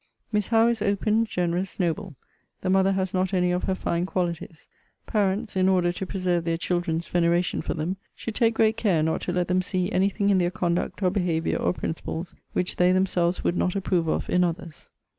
Miss Howe is open, generous, noble. The mother has not any of her fine qualities. Parents, in order to preserve their children's veneration for them, should take great care not to let them see any thing in their conduct, or behaviour, or principles, which they themselves would not approve of in others.